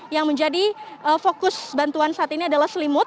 yang menjadi fokus bantuan saat ini adalah selimut